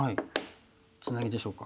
ツナギでしょうか？